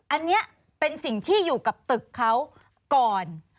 อันนี้เป็นสิ่งที่อยู่กับตึกเขาก่อน